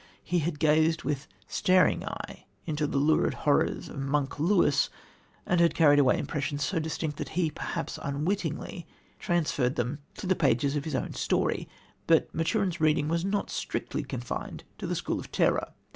He had gazed with starting eye on the lurid horrors of "Monk" Lewis, and had carried away impressions so distinct that he, perhaps unwittingly, transferred them to the pages of his own story. But Maturin's reading was not strictly confined to the school of terror.